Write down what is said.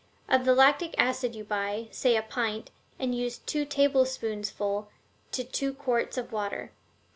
Of the lactic acid you buy, say, a pint, and use two tablespoonsful to two quarts of water.